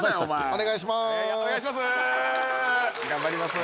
お願いします。